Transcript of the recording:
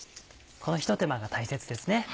このひと手間が大切ですね。